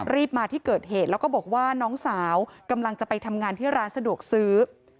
มาที่เกิดเหตุแล้วก็บอกว่าน้องสาวกำลังจะไปทำงานที่ร้านสะดวกซื้อ